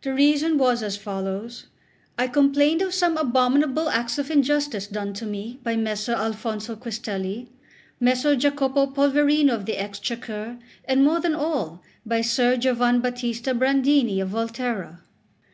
The reason was as follows: I complained of some abominable acts of injustice done to me by Messer Alfonso Quistelli, Messer Jacopo Polverino of the Exchequer, and more than all by Ser Giovanbattista Brandini of Volterra.